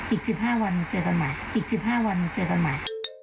อีก๑๕วันเจอกันใหม่อีก๑๕วันเจอกันใหม่